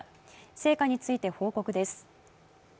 成果について報告です。